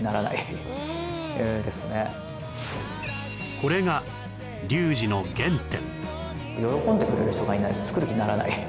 これがリュウジの原点